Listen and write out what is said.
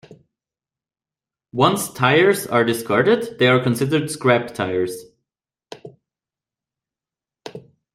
Once tires are discarded, they are considered scrap tires.